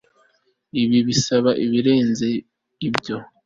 Ibi bisaba ibirenze ibyo